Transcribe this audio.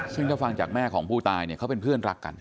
ซึ่งถ้าฟังจากแม่ของผู้ตายเนี่ยเขาเป็นเพื่อนรักกัน